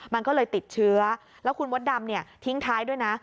มันก็เลยติดเชื้อแล้วคุณมดดำทิ้งท้ายด้วยนะ